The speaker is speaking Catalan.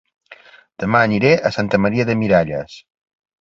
Dema aniré a Santa Maria de Miralles